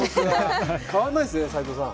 変わらないですね、斎藤さん。